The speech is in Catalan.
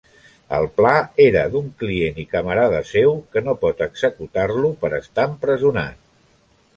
El pla era d'un client i camarada seu que no pot executar-lo per estar empresonat.